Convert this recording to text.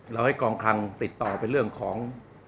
ให้กองคลังติดต่อไปเรื่องของ